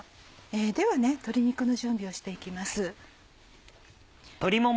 では鶏肉の準備をして行きます。